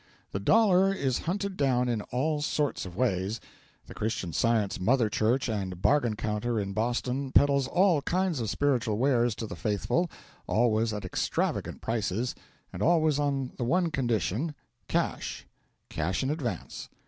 The Dollar is hunted down in all sorts of ways; the Christian Science Mother Church and Bargain Counter in Boston peddles all kinds of spiritual wares to the faithful, always at extravagant prices, and always on the one condition cash, cash in advance.